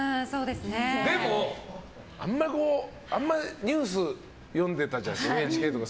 でも、ニュース読んでたじゃないＮＨＫとかで。